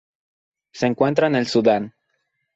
Se encuentra en el Sudán.